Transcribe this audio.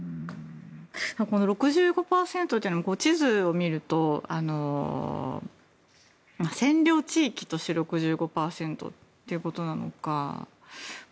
この６５％というのは地図を見ると占領地域として６５％ということなのか